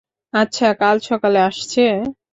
আচ্ছা, কাল সকালে আসছে?